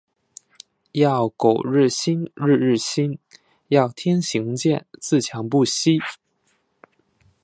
要苟日新，日日新。要天行健，自强不息。